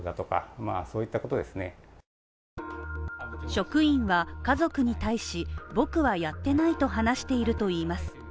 職員は家族に対し、僕はやってないと話しているといいます。